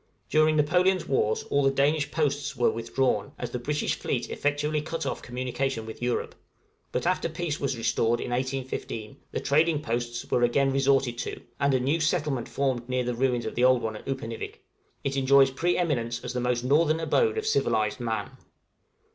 During Napoleon's wars all the Danish posts were withdrawn, as the British fleet effectually cut off communication with Europe; but after peace was restored in 1815, the trading posts were again resorted to, and a new settlement formed near the ruins of the old one at Upernivik; it enjoys pre eminence as the most northern abode of civilized man.